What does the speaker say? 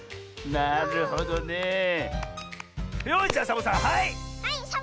なるほどね。よし！